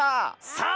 「さあ！」。